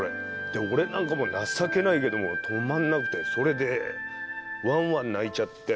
で俺なんかもう情けないけど止まらなくてそれでわんわん泣いちゃって。